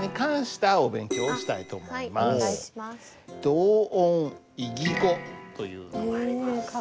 同音異義語というのがあります。